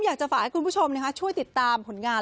อยากจะฝากให้คุณผู้ชมช่วยติดตามผลงาน